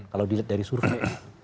kalau dilihat dari survei